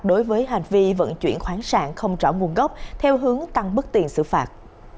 đối với hành vi vận chuyển khoáng sản không rõ nguồn gốc theo hướng tăng bức tiền xử phạt